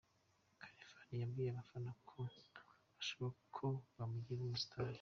Khalifan yabwiye abafana ko ashaka ko bamugira umustar.